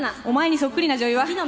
お前にそっくりな女優は？